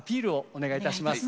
お願いいたします。